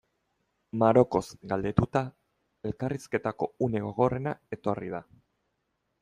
Marokoz galdetuta, elkarrizketako une gogorrena etorri da.